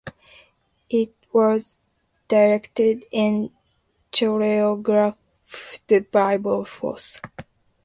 It was directed and choreographed by Bob Fosse.